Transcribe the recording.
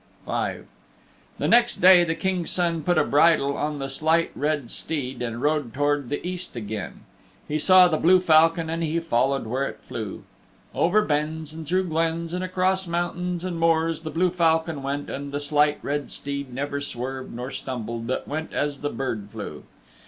V The next day the King's Son put a bridle on the Slight Red Steed and rode towards the East again. He saw the blue falcon and he followed where it flew. Over benns, and through glens and across mountains and moors the blue falcon went and the Slight Red Steed neither swerved nor stumbled but went as the bird flew.